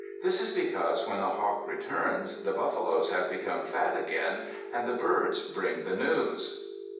This is because when the hawk returns, the buffaloes have become fat again and the birds bring the news.